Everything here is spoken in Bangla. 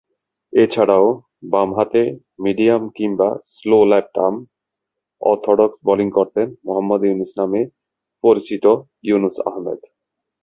এছাড়াও, বামহাতে মিডিয়াম কিংবা স্লো লেফট-আর্ম অর্থোডক্স বোলিং করতেন মোহাম্মদ ইউনুস নামে পরিচিত ইউনুস আহমেদ।